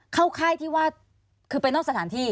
ค่ายที่ว่าคือไปนอกสถานที่